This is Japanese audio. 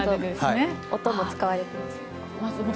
音も使われています。